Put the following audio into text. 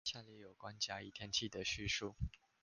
下列有關甲、乙二地天氣的敘述